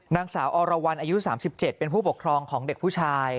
นางสาวอรวรรณอายุ๓๗เป็นผู้ปกครองของเด็กผู้ชาย